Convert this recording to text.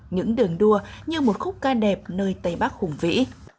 những đường đua như một khúc ca đẹp nơi tây bắc khủng vĩ